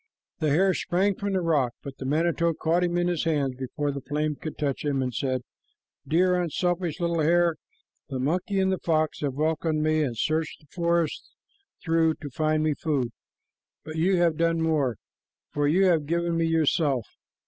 The hare sprang from the rock, but the manito caught him in his hands before the flame could touch him, and said, "Dear, unselfish little hare, the monkey and the fox have welcomed me and searched the forest through to find me food, but you have done more, for you have given me yourself.